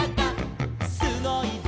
「すごいぞ！